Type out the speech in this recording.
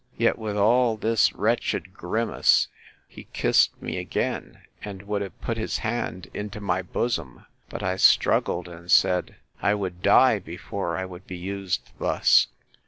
—Yet, with all this wretched grimace, he kissed me again, and would have put his hand into my bosom; but I struggled, and said, I would die before I would be used thus.